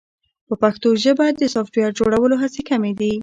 په پښتو ژبه د سافټویر جوړولو هڅې کمې دي.